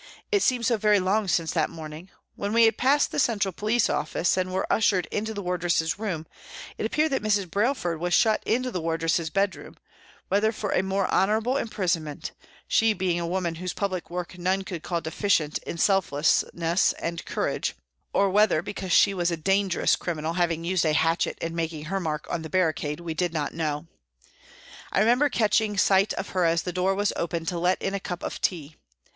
It seemed so very long since that morning. When we had passed the central police office, and were ushered into the wardresses' room, it appeared that Mrs. Brailsford was shut into the wardresses' bedroom whether for a more honourable imprison ment, she being a woman whose public work none could call deficient in selflessness and courage, or whether because she was a " dangerous criminal," having used a hatchet in making her mark on the barricade, we did not know. I remember catching sight of her as the door was opened to let in a cup of tea.